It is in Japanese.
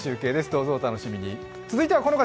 どうぞお楽しみに。